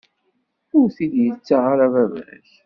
Ur t-id-yettaɣ ara baba-k.